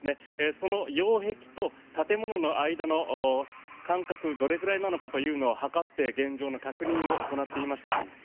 その擁壁と建物の間の間隔どれくらいなのかというのを測って現状の確認を行っていました。